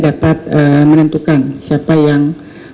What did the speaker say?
dapat menentukan siapa yang